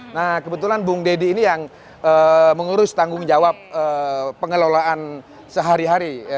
nah kebetulan bung deddy ini yang mengurus tanggung jawab pengelolaan sehari hari